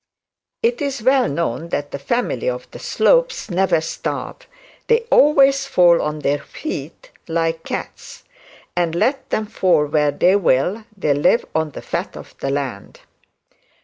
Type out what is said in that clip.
It is well known that the family of the Slopes never starve; they always fall on their feet like cats, and let them fall where they will, they live on the fat of the land.